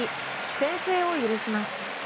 先制を許します。